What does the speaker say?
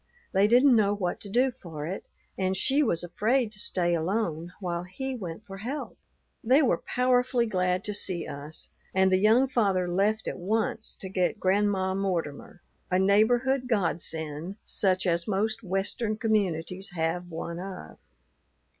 They didn't know what to do for it; and she was afraid to stay alone while he went for help. They were powerfully glad to see us, and the young father left at once to get Grandma Mortimer, a neighborhood godsend such as most Western communities have one of.